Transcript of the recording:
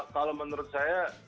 kalau menurut saya